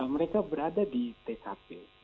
mereka berada di tkp